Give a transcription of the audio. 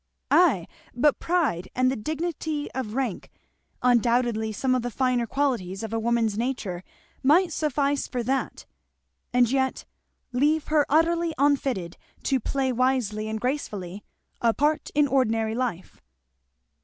"Ay but pride, and the dignity of rank, and undoubtedly some of the finer qualities of a woman's nature, might suffice for that, and yet leave her utterly unfitted to play wisely and gracefully a part in ordinary life."